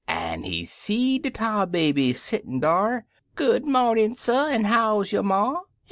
An' he seed de Tar Baby settin' dar; " Good mornin", suh, an' how's yo' Ma?